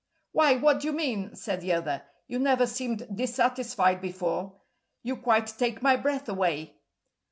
"Why, what do you mean?" said the other. "You never seemed dissatisfied before. You quite take my breath away."